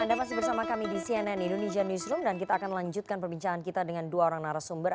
anda masih bersama kami di cnn indonesia newsroom dan kita akan lanjutkan perbincangan kita dengan dua orang narasumber